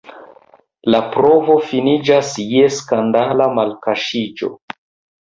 La provo finiĝas je skandala malkaŝiĝo.